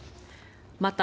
また、